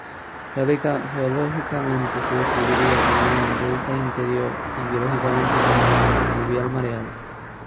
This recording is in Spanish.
Geológicamente se describiría como un "delta interior" y biológicamente como "fluvial mareal".